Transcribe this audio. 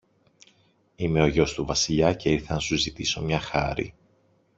είμαι ο γιος του Βασιλιά και ήρθα να σου ζητήσω μια χάρη.